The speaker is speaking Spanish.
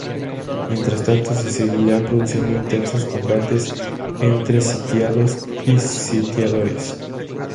Mientras tanto se siguieron produciendo intensos combates entre sitiados y sitiadores.